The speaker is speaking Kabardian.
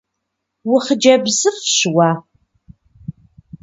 УхъыджэбзыфӀщ уэ!